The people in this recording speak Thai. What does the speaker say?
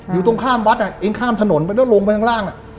อยู่ตรงข้ามวัดอ่ะเองข้ามถนนไปแล้วลงไปข้างล่าง